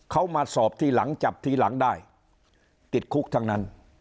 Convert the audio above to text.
เขามาสอบทีหลังจับทีหลังได้ติดคุกทั้งนั้น